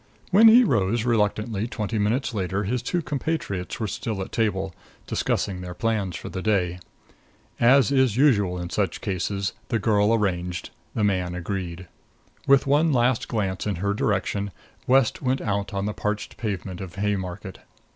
When he rose reluctantly twenty minutes later his two compatriots were still at table, discussing their plans for the day. As is usual in such cases, the girl arranged, the man agreed. With one last glance in her direction, West went out on the parched pavement of Haymarket.